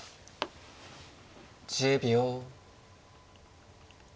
１０秒。